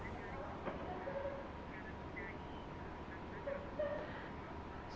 secara protokol kesehatan